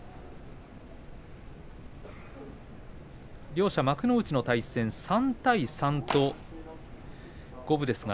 両者、幕内の対戦は３対３五分です。